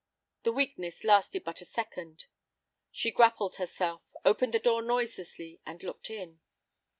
The weakness lasted but a second. She grappled herself, opened the door noiselessly and looked in.